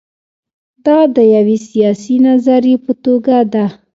دا د یوې سیاسي نظریې په توګه ده.